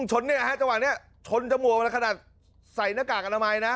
ชนเนี้ยฮะจังหวัดเนี้ยชนจมูกออกมาขนาดใส่หน้ากากอาลามัยนะ